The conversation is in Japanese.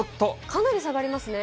かなり下がりますね。